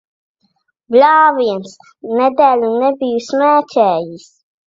Bļāviens! Nedēļu nebiju smēķējis.